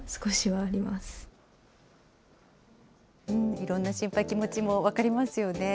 いろんな心配、気持ちも分かりますよね。